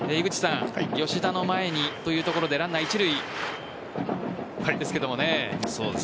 吉田の前にというところでランナー一塁ですけれどもね。